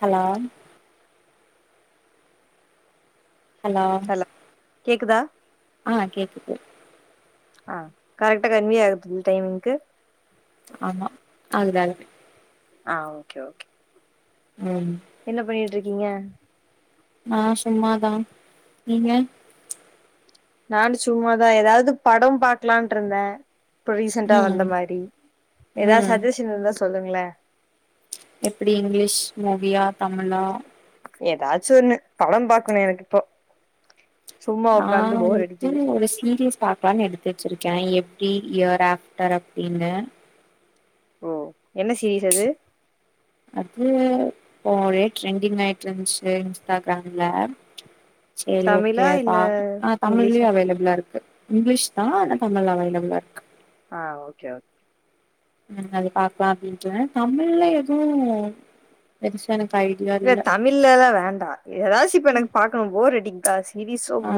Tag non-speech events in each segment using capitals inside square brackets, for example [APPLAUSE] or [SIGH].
Hello கேக்குதா? Hello கேக்குதா? ஆ கேக்குது. ஆ கரெக்ட்டா கன்வே ஆகுதுல்ல டைமிங்க்கு ஆமா ஆகுது ஆகுது. ஆ ஓகே ஓகே. ம் என்ன பண்ணிட்ருக் கீங்க? நா சும்மாதா நீங்க? நானு சும்மாதா எதாவ்து படம் பாக்லான்ட்ருந்தே இப்ப ரீசன்டா வந்த ம் மாரி ஏதா ம் ஸஜ்ஜஷன் இருந்தா சொல்லுங்களே எப்டி இங்லிஷ் மூவியா தமிழா எதாச்சு ஒன்னு படம் பாக்கணு எனக்கிப்போ நா வன்ட்டு ஒரு சீரியஸ் பாக்லான் எடுத்து வச்சுருக்கே எப் டி இயர் ஆஃப்டர் அப்டின்னு ஓ என்ன சீரீஸ் அது அது இப்ப ஒரே ட்ரெண்டிங் ஆயிட்ருன்ச்சு இன்ஸ்டாகிராம்ல சேரி தமிழா ஓகே இல்ல பா ஆ தமிழ்லையு இங்கிலீஷா அவைலபிளா இருக்கு இங்லிஷ் தா ஆனா தமிழ் அவைலபிளா இருக்கு ஆ ஓகே ஓகே ம் அது பாக்லா அப்டின்ட்டு தமிழ்ல எதுவு‌ பெருசா எனக் இல்ல தமிழ்லெலா வேண்டா எதாச்சு இப்ப எனக்கு பாக்கணு போர் அடி கா ஆ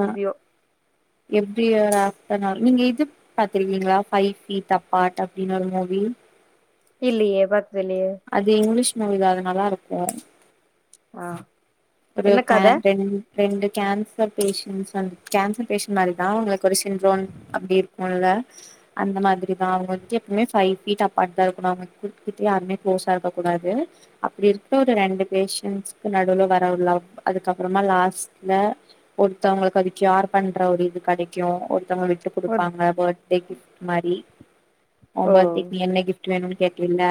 எப்டி இயர் ஆஃப் டனார் நீங்க இது பாத்துருக்கீங்ளா ஃப ஃபீட் அப்பாட் அப்டின்னு ஒரு மூவி இல்லையே பாத் அது இங்லீஷ் மூவி தான நல்லாருக்கு ஆ ஒரு என்ன கத கேன் ரெண் ரெண்டு கேன்சர் பேஷன்ட்ஸ் வந்து கேன்சர் பேஷன்ட் மாரி தா அவுங்ளுக்கு ஒரு சின்ட்ரோம் அப்டி இருக்குல்ல அந்த மாதிரி தா அவுங்க வந்துட்டு எப்பமே ஃபை ஃபீட் அப்பாட் தா இருக்கனு அவுங்க கிட் கிட்ட‌யாருமே க்ளோஸா இருக்க கூடாது அப்டி இருக்க ஒரு ரெண்டு பேஷன்ட்ஸ்க்கு நடுவுல வ ர ஒரு லவ் அதுக்கப்பறமா லாஸ்ட்ல ஒருத்தவுங்களுக்கு அது க்யோர் பண்ற ஒரு இது கெடைக்கு ஒரு த்தங்க விட்டு ஒ குடுப்பாங்க பர்த்டே கிஃப்ட் மாரி ஒம் ஓ பர்த்டேக்கு நீ என்ன கிஃப் ட் வேணுன் கேட்டீல்ல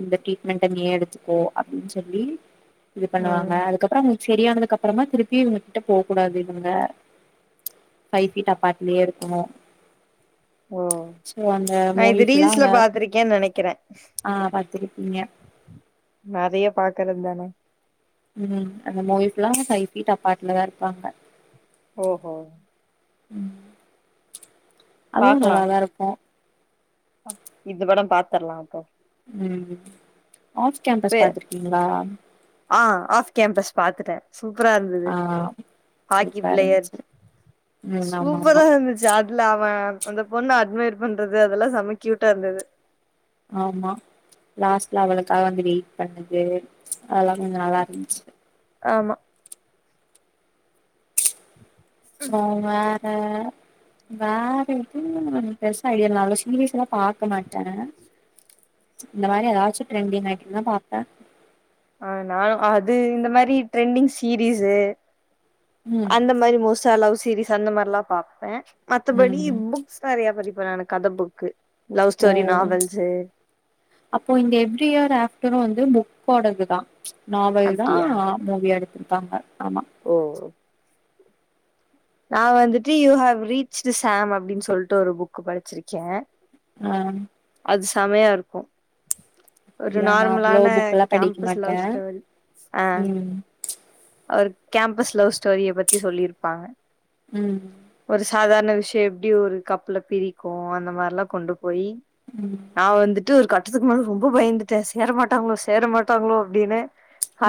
இந்த ட்ரீட்மெண்ட நீ எடுத்துக்கோ அப்டின் சொல்லி இது பண்ணுவாங்க ம் அதுக்கப் செரியானதுக்கப்பறமா திருப்பி இவுங்ககிட்ட போ கூடாது இவுங்க ஃப ஃபீட் அப்பாட்லயே இருக்கணு ஓ சோ அந்த நா மூவி இது ஃபுல்லா ரீல்ஸ்ல அங்க பாத்திருக்கேன் நெனக்கிறே ஆ பாத்திருப்பீங்க நெறைய பாக்குறதானெ ம் அந்த மூவி ஃபுல்லா ஃபைவ் ஃபீட் அப்பாட்லதா இருப்பாங்க ஓஹோ ம் அதுவும் நல்லாதான்ருக்கு இந்தபடம் பாத்ரலா அப்போ ம் ஆஃப் கேம்பஸ் பே பாத்திருக்கீங்களா ஆ ஆஃப் கேம்பஸ் பாத்துட்டே சூப்ரா இருந்துது ஆ ஹாக்கி சூப்பரா பிளேயர் இருந்துச்சு ம் ஆமா ஆமா சூப்பரா இருந்துச்சு அதுல அவெ அந்த பொண்ண அட்மையர் பண்றது அதெலா செம கியூட்டா இருந்துது ஆமா லாஸ்ட்ல அவளுக்காக வந்து வெயிட் பண்ணது அதுலா கொஞ்சம் நல்லா இருந்துச்சு ஆமா சோங்க வ வேற [INAUDIBLE] பெருசால்ல அவ்ளோ சீரியஸ் பாக்க மாட்டே இந்த மாரி ஏதாச்சு ட்ரெண்டிங் ஆயிட்டு இருந்தா பாப்பே ஆ நானு அது இந்த மாரி ட்ரெண்டிங் சீரீயஸூ ம் அந்த மாரி மோஸ்டா லவு சீரிஸ் அந்த மாரிலா பாப்பே மத்தபடி ம் புக்ஸ் நெறையா படி அப்றோ எனக்கு கத புக்கு லவ் ஓ ஸ்டோரி நாவல்ஸு அப்போ இந்த எவ்ரி இயர் ஆஃப்டர் வந்து புக் போடதுதா நாவல் தா அப்டியா மூவியாடுத்து ஆம ஓ நான் வந்துட்டு யூ ஹவ் ரீச்டு சாம் அப்டின் சொல்ட்டு ஒரு புக் படிச்சிருக்கே அ அது செமையாருக்கு ஒரு இல்ல நா அவ்ளோ நார்மலான புக் எல்லா படிக்க கேம்பஸ் மாட்டே லவ் ஸ்டோரி அ ம் அவரு கேம்பஸ் லவ் ஸ்டோரிய பத்தி சொல்லிருப்பாங்க ம் சாதாரண விஷயோ எப்டி ஒரு கப்புல பிரிக்கு அந்த மாரிலா கொண்டு பொய் ம் நா வந்துட்டு ஒரு க அதுக்கு மேல ரொம்ப பயந்துட்டே சேர மாட்டாங்ளோ சேர மாட்டாங்களோ அப்டின்னு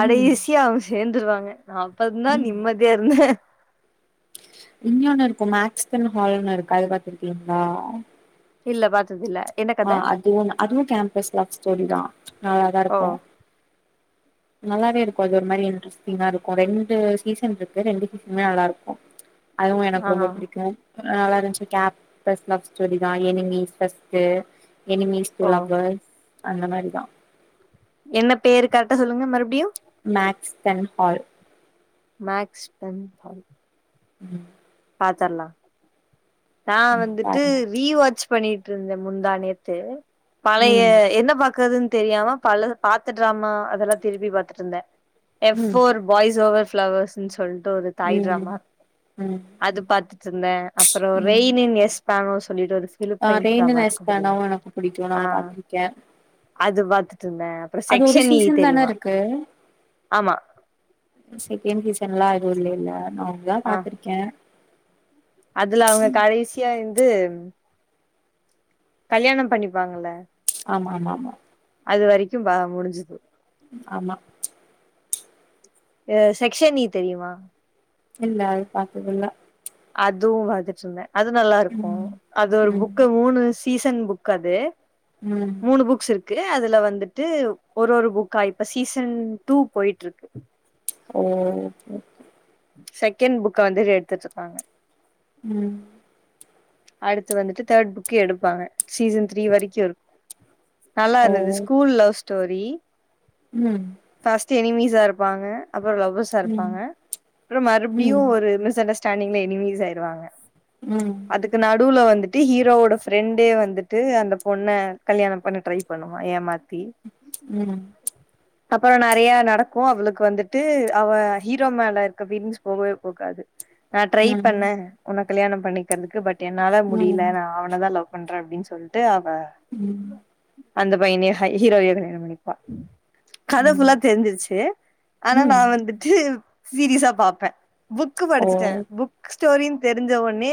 ம் சேந்துருவாங்க ஆம் அப்றந்தா ம் நிம்மதியா இருந்தே இன்யொண்ணு இருக்கு மேஸ்க்பின் ஹால்ன்னு இருக்கு அது பாத்துருக்கீங்ளா இல்ல பாத்ததில்ல ஆ அதுவொன்னு அதுவு கேம்பஸ் லவ் ஸ்டோரி தா நல்லா தா ஓ இருக்கு நல்லாவே இருக்கு அது ஒரு மாரியான ட்ரஸ்டிங்கா இருக்கு ரெண் டு சீசன் இருக்கு ரெண்டு சீசனுமே நல்லாருக்கு அதுவு ஆ எனக்கு ரொம்ப பிடிக்கு அ நல்லா இருன்ச்சு கேம் பஸ் லவ் ஸ்டோரி தா enemies first enemies to O lover அந்த மாரிதா என்ன பேரு கரெக்டா சொல்லுங்க மறுபடியு மேக்ஸ்டன்ஹால் மேக்ஸ்பன் ஹால் உ பாத்தர்லா நா ம் வந்துட்டு பாருங்க ரீவாச் பண்ணிட்ருந்தே முந்தா நேத்து பழைய ம் என்ன பாக்றது தெரியாம பலது பாத்துட்ராமா அதெல்லா திருப்பி பாத்தட்ருந்தே எஃப் ம் ஃபோர் பாய்ஸ் ஓவர் வெ ப்ளவர்ஸுனு சொல் ட்டு ஒரு தாய் ம் ட்ராமா ம் அது பாத்துட்ருந்தே ரெய்ன் இன் எஸ் ஆவோஸ் அ ரேனென் ஐஸ் பான்டா எனக்கு பிடிக்கு நா ஆ பாத்திருக்கே அது பாத்துட்டு இருந்தே அப்புறோ அது ஒரு செக்ஷன் இ சீசன் தானே தெரியுமா இருக்கு ஆமா ஸெகன்ட் சீச ன்லா எதுவு இல்லைல நா ஒன்னுதா ஆ பாத்திருக்கே அதுல அவங்க கடைசியா இந்து கல்யாணோ பண்ணிப்பாங்கல்ல ஆமா ஆமா ஆமா அது வரைக்கு பா முடிஞ்சுது ஆமா ய செக்க்ஷன் ஈ தெரியுமா இல்ல அது பாத்ததில்ல அதுவு பாத்துட்டு இருந்தே அது நல்லா இருக்கு ம் அது ஒரு ம் புக்க மூனு சீசன் புக் அது ம் மூணு புக்ஸ் இரு க்கு அதுல வந்துட்டு ஒரு ஒரு புக்கா இப்ப சீசன் டூ போயிட்ருக்கு. ஓ ஹோ செகண்ட் புக்க வந்து எடுத்து வச்சுருக்காங்க. ம் அடுத்து வந்துட்டு தேர்ட் புக் எடுப்பாங்க சீசன் த்ரீ வரைக்கு இரு நல்லா ஓ இருந்தது ஸ்கூல் லவ் ஸ்டோரி ம் ட் எனிமீசா இருப்பாங்க அப்பற லவ்வர்சா ம் இருப்பாங்க அப்ற மறுபடியு ம் ம் ஒரு மிஸ்அண்டர்ஸ் டாண்டிங்ல எனிமீஸ் ஆயிருவாங்க. ம் அதுக்கு நடுவுல வந்து ட்டு ஹீரோவோட ஃப்ரெண்டே வந்துட்டு அந்த பொண்ண கல்யாணோ பண்ண ட்ரை பண்ணுவா ஏமாத் ம் அப்பற நெறைய நடக்கு அவளுக்கு வந்துட்டு அவ ஹீரோ மேல இருக்க ஃபீலிங்ஸ் போகவே போகாது. நா ட்ரை பண்ணே உன்ன கல்யாணம் பண்ணிக் கறதுக்கு ப ட் என்னால முடியல ம் நா அவனதா லவ் பண்ற அப்டின்னு சொல்ட்டு அ ம் அந்த பையனயே ஹை ஹீரோவயே கல்யாணோ பண்ணிப்பா. கத ம் ஃபுல்லா தெரிஞ்சிருச்சு. ஆனா நா ம் வந்துட்டு சீரியஸா பாப்பே புக்கு ஓ படிச்சிட்டே புக் ஸ்டோரின்னு தெரிஞ்ச உடனே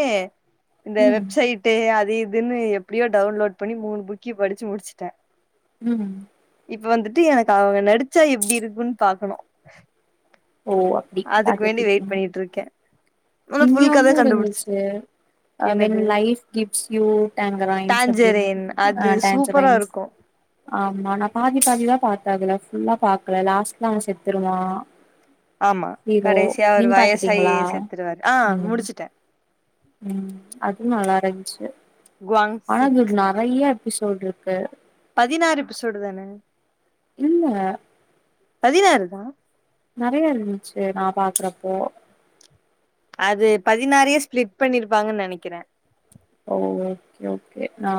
இந்த ம் வெப்சைட்டு அது இ துன்னு எப்படியோ டவுன்லோட் பண்ணி மூணு புக்கயு படிச்சு முடிச்சுட்டே ம் இப்ப வந்துட்டு எனக்கு அவங்க நடிச்சா எப்டி இருக்குன்னு பாக்கணு. ஓ அப்டி அதுக்கு பாத்துட்டு வேண்டி வெயிட் இருக்கீங்க பண்ணிட்டு இருக்கே ஆனா இங்க ஃபுல் கத ஒன்னு கண்டுபுடிச்சிட்ட. இருந்துச்சு அ when life gives you tangerines அப்டிம்மா டாஞ்சரின் ஆ அது சூப்பரா டான்ஜரைன்ஸ் இருக்கு ஆமா நா பாதி பாதி தா பாத்த அத நா ஃபுல்லா பாக்கல லாஸ்ட்ல அவ செத்துருவா ஆமா ஹீரோ கடைசியா அவர் நீங்க வயசாயி பாத்துட்டீங்களா செத்துருவாரு. ஆ ம் முடுச்சுட்டே ம் அதுவு நல்லாருன்ச்சு குவாங் ஆனா அது சிக் நறைய எபிசோட்‌ருக்கு பதினாறு எபிசொடு தானெ இல்ல பதினாறு தா நறைய இருன்ச்சே நா பாக்குறப்போ அது பதினாறையே ஸ்பிளிட் பண்ணிருப்பாங்கன் நனக்கிறே ஓ ஓகே ஓகே நா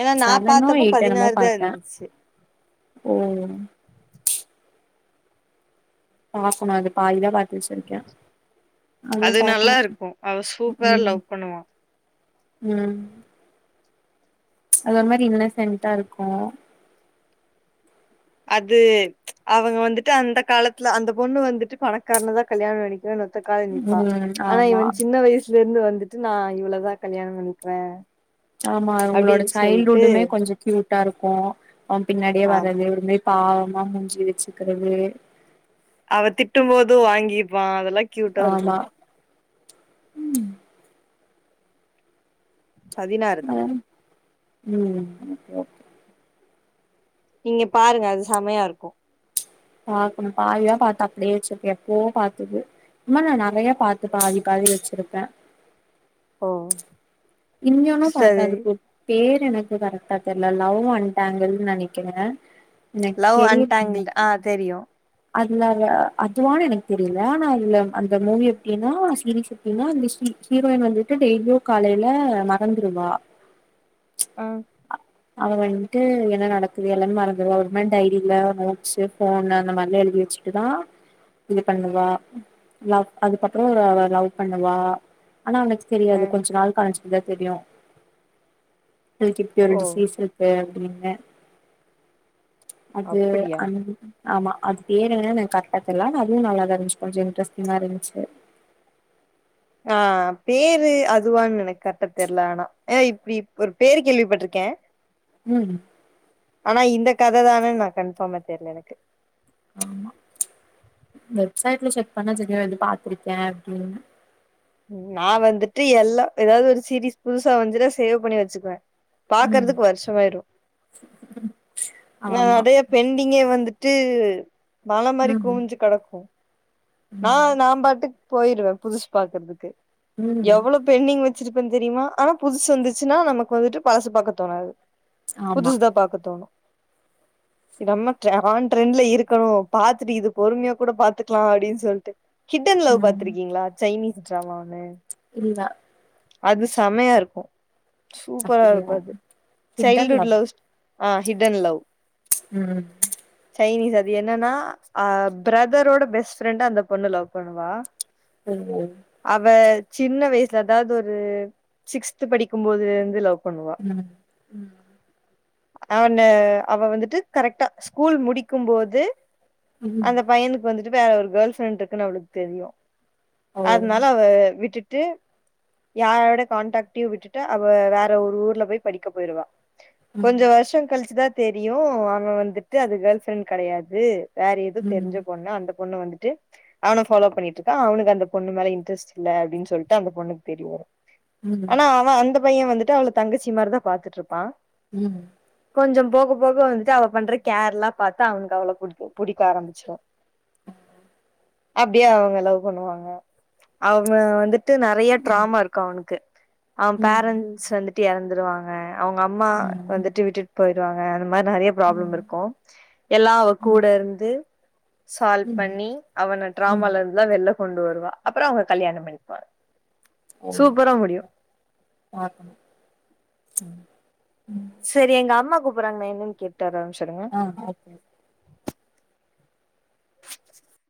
ஏன்னா நா செவனோ பாத்தப்போ எயிட்டெனமோ பதினாறு தா பாத்தே இருந்துச்சு ஓ பாக்கணு அது பாதிதா பா அது பாக்கணு நல்லாருக்கு அவ சூப்பரா ம் லவ் பண்ணுவா ம் அது ஒரு மாரி இன்னசன்டா இருக்கு அது அவங்க வந்துட்டு அந்த காலத்துல அந்த பொண்ணு வந்துட்டு பணக்காரனதா கல்யாணோன்னிகனு ஒ த்த கால்ல நிப்பா ம் ஆனா ஆமா இவன் சின்ன வயசு லெந்து வந்துட்டு நா இவளதா கல்யாண பண்ணிக்குவெ ஆமா இவுங்களோட சைல்ட்ஹுட்டுமே கொஞ்ச கியூட்டா இருக் கு அவ பின்னாடியே ஆமா வர்றது ஒரு மேர் பாவமா மூஞ்சி வச்சிக்கிறது அவ திட்டும் போது வாங்கிப் பா அதல்லா க்யூட்டா இருக்கு ம் பதினாறு தா ம்‌ ஓ நீங்க பாருங்க அது சம்மையா இருக்கு பாக்கணு பாதிதா பாத்து அப்டியே வச்சுருக்கே எ ப்பவோ பாத்தது இந்மாரி நா நறைய பாத்து பாதி பாதி வச்சிருப்பே ஓ இன்யொன்னு பாத்த சரி அதுக்கு பே ரு எனக்கு கரெக்டா தெர்ல லவ் அன் டாங்கிள்னு நெனக்கிறே லவ் அன் டாங்கிள்ட் ஆ தெரியு அதுல அவ அதுவானு எனக்கு தெரில ஆனா அதுல அந்த மூவி எப்டின்னா சீரீஸ் எப்டின்னா அந்த ஹி ஹீரோயின் வந்துட்டு டெய்லியு காலைல மறந்துருவா ஆ அவ வன்ட்டு என்ன நடக்குது எல்லாம் மறந்துர்வா ஒரு மார் டைரில நோட்ஸு ஃபோன் அந்த மா ரில எழுதி வச்சுட்டுதா இது பண்ணுவா லவ் அதுக்கப்றொ இவ அவ லவ் பண்ணுவா ஆனா அவனக்கு ஆ தெரியாது கொஞ்ச நாள் கழிச்சி தா தெரியு அவளுக்கு இப்டி ஒரு ஓ டிசீஸ் இருக்கு அப்டின் னு அது அப்படியா அந் ஆமா அ பேரெனானு எனக் கர்ட்டா தெரில ஆனா அதுவு நல்லா தா இருன்ச்சு கொஞ்ச இன்ட்ரெஸ்ட்டிங்கா இருன்ச்சு ஆ பேரு அதுவான் எனக் கர்ட்டா தெர்ல ஆனா ஆ இப்டி ஒரு பேரு கேள்விப்பட்ருக்கே ம் ஆனா இந்த கத தானேன்னா கன்ஃபார்மா தெர்ல எனக்கு ஆமா வெப்சை ட்ள்ள செட் பண்ணா [UNINTELLIGIBLE] இது பாத்திருக்கே அப்டின்னு நா வந்துட்டு எல்லா எதாவ்து ஒரு சீரிஸ் புதுசா வன்ச்சுனா சேவ் பண்ணி வச்சுக்குவே ம் பாக்குறதுக்கு வருஷமாயிரு நா ஆமா அதய பெண்டிங்கே வந்து ட்டு மல மாரி ம் குவுஞ்சு கடக்கு நா ம் நாம்பாட்டுக் போயிருவே புதுசு பாக்கற்துக்கு ம் எவ்வளோ பெண்ட்டிங் வச் சிருப்பன் தெரியிமா ஆனா புதுசு வந்துச்சுன்னா நமக்கு வந்துட்டு பழசு பாக்க தோணாது ஆமா புதுசுதா பாக்க தோணு நம்ம ட்ர ஆன் ட்ரெண்ட்ல இருக்கணு பாத்துட்டு இது பொறுமையா கூட பாத்துக்லா அப்டி சொல்ட்டு ஹிட்டன் லவ் ம் பாத்துருக்கீங்ளா சைனீஸ் ட்ராமானு இல்ல அது செமையா இருக்கு சூப்பரா அப்படியா இருக்கு அது ஹிட் அண்ட் சைல்டுட் லவ் லவ்ஸ் ஆ ஹிட்டன் லவ் ம் சைனீஸ் அது என்னன்னா அ பிரதரோட பெஸ்ட் ஃப்ரெண்ட அந்த பொண்ணு லவ் பண்ணுவா ஓ அவ சின்ன வயசுல அதாவது, ஒரு சிக்ஸ் படிக்கும்போது இருந்து லவ். பண்ணுவா உம் உம். அவனை, அவ வந்துட்டு கரெக்டா ஸ்கூல் முடிக்கும்போது. ம் அந்த பையனுக்கு வந்துட்டு. [UNINTELLIGIBLE] கேர்ள் ஃப்ரெண்ட் இருக்குன்னு அவளுக்கு தெரியும். ஓ அதனால அவ விட்டுட்டு. விட்டு, யாரோட காண்டாக்டையும் விட்டுட்டு, அவ வேற ஒரு ஊர்ல போய் படிக்க போய்டுவா. ம் கொஞ்சம் வருஷம் கழிச்சுதான். தெரியும். அவங்க வந்துட்டு அது கேர்ள் ஃப்ரெண்ட் கிடையாது. வேற எதுவும், ம் ம் தெரிஞ்ச பொண்ணு அந்த பொண்ணு வந்து. அவனை ஃபாலோ பண்ணிட்டு இருக்கான். அவனுக்கு அந்த பொண்ணு மேல இன்ட்ரஸ்ட் இல்ல. அப்படின்னு, சொல்லிட்டு அந்த பொண்ணுக்கு தெரிய வரும். ம் ம் ஆனா அவன் அந்த. அந்த பையன் வந்துட்டு, அவள தங்கச்சி மாதிரி தான் பாத்துட்டு இருப்பான். உம். கொஞ்சம் போக போக, வந்துட்டு அவ பண்ற கேர் பார்த்தா, அவனுக்கு அவ்வளோ பிடி புடிக்க ஆரம்பிச்சடும். [UNINTELLIGIBLE] அப்படியே அவங்க லவ் பண்ணுவாங்க. அவங்க வந்துட்டு, வந்து நிறைய டிராம இருக்கும் அவனுக்கு. அவன் பேரன்ட்ஸ் வந்து. [UNINTELLIGIBLE] இறந்துடுவாங்க. அவங்க அம்மா வந்துட்டு விட்டு. போயிடுவங்க. அது மாதிரி நிறைய ப்ராபிளம் ம் இருக்கும். எல்லா ம் கூட இருந்து, சா. ம் பண்ணி, அவனை ம் டிராமால இருந்துல்லாம் வெள. கொண்டு வருவா. அப்புறம் அவங்க கல்யாணம் பண்ணிபாங்கா. ஓ ஆ. உம். சரி எங்க அம்மா கூப்பிறாங்க, நா என்னன்னு கேள். ஆரம்பிச்சடுங்க. ஆ ஓகே [INAUDIBLE]